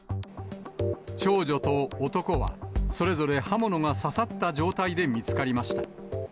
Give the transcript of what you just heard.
長女と男はそれぞれ刃物が刺さった状態で見つかりました。